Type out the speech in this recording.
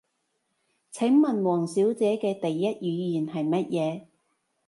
請問王小姐嘅第一語言係乜嘢？